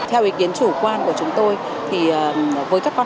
theo ý kiến chủ quan của chúng tôi thì với các con